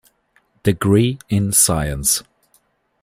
Degree in Science.